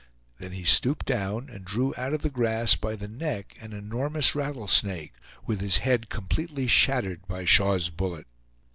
Then he stooped down and drew out of the grass by the neck an enormous rattlesnake, with his head completely shattered by Shaw's bullet.